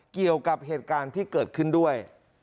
เกี่ยวกับเหตุการณ์ที่เกิดขึ้นด้วย